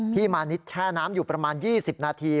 พี่มณิษฐ์แช่น้ำอยู่ประมาณ๒๐นาที